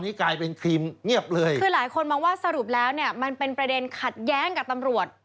นั่นนะสิคือหลายคนมองว่าสรุปแล้วเนี่ยมันเป็นประเด็นขัดแย้งกับตำรวจ